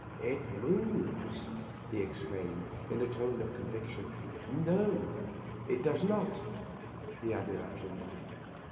" It moves 1 " he exclaimed, in a tone of conviction. " No, it does not," he added, after a minute.